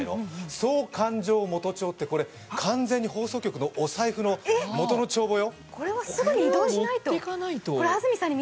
総勘定元帳って、これ、完全に放送局のお財布の元の帳簿よ。